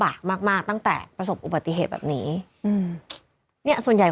ลำบากมากมากตั้งแต่ประสบอุบัติเหตุแบบนี้อืมเนี้ยส่วนใหญ่